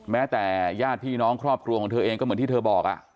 แม้แต่ญาติพี่น้องครอบครัวของเธอเองก็เหมือนที่เธอบอก